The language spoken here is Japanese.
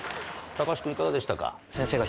高橋君いかがでしたか？